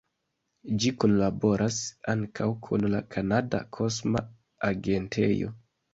Ĝi kunlaboras ankaŭ kun la Kanada Kosma Agentejo.